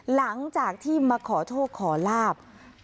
หลังจากที่มาขอโชคขอลาบ